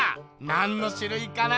なんのしゅるいかな？